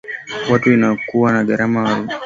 watu inakua kwa gharama ya Warusi na wakaazi